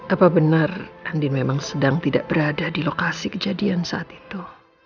apa benar andin memang sedang tidak berada di lokasi kejadian saat itu